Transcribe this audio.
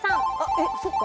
えっそっか。